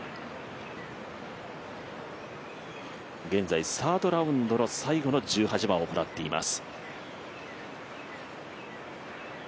現在サードラウンドの最後の１８番を行っています。